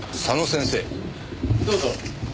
どうぞ。